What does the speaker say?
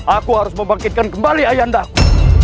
aku harus membangkitkan kembali ayandaku